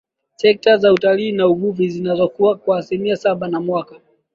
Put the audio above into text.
Sekta za Utalii na Uvuvi zinazokua kwa asilimia saba kwa mwaka